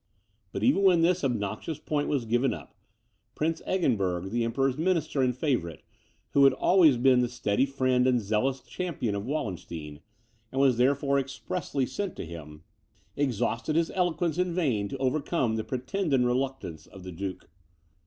But even when this obnoxious point was given up, Prince Eggenberg, the Emperor's minister and favourite, who had always been the steady friend and zealous champion of Wallenstein, and was therefore expressly sent to him, exhausted his eloquence in vain to overcome the pretended reluctance of the duke.